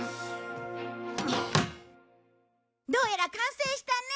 どうやら完成したね。